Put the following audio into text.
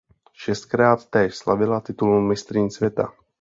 Šestkrát též slavila titul mistryň světa.